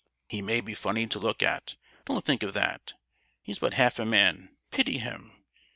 "He may be funny to look at; don't think of that. He's but half a man—pity him!